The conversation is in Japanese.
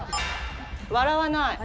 笑わない。